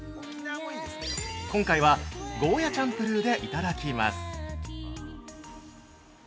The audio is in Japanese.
今回はゴーヤチャンプルでいただきます！！